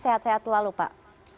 sehat sehat selalu pak